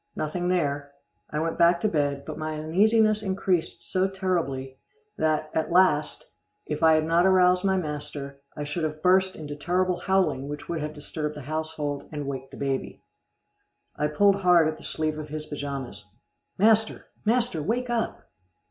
Nothing there I went back to bed, but my uneasiness increased so terribly, that, at last, if I had not aroused my master, I should have burst into terrible howling which would have disturbed the household and waked the baby. I pulled hard at the sleeve of his pajamas. "Master, master, wake up."